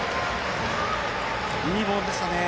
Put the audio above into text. いいボールでしたね。